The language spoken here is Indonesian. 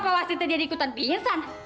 apa wasitnya dia ikutan binisan